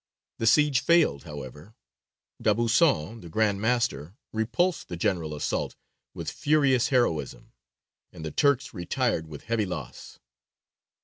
The siege failed, however; D'Aubusson, the Grand Master, repulsed the general assault with furious heroism, and the Turks retired with heavy loss.